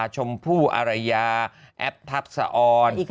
ชมพู่อรัยาแอปทับสออน